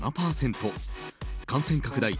感染拡大